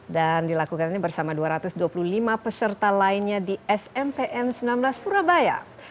dan dilakukan bersama dua ratus dua puluh lima peserta lainnya di smp sembilan belas surabaya